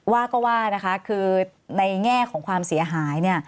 ว่าก็ว่านะคะคือในแง่ของความเสียหายเนี่ย